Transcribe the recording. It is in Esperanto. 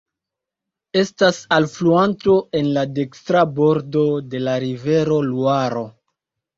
Estas alfluanto en la dekstra bordo de la rivero Luaro.